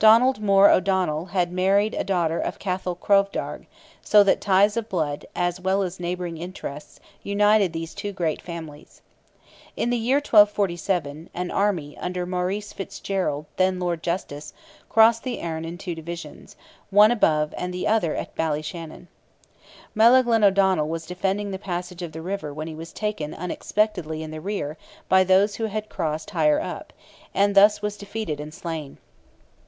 Donald More O'Donnell had married a daughter of Cathal Crovdearg, so that ties of blood, as well as neighbouring interests, united these two great families. In the year 1247, an army under Maurice Fitzgerald, then Lord Justice, crossed the Erne in two divisions, one above and the other at Ballyshannon. Melaghlin O'Donnell was defending the passage of the river when he was taken unexpectedly in the rear by those who had crossed higher up, and thus was defeated and slain.